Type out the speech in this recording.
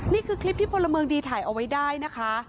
นี่คือคลิปที่พลเมืองดีถ่ายเอาไว้ได้นะคะ